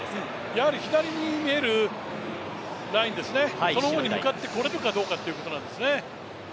やはり左に見えるラインですね、その方に向かってこれるかということなんですね。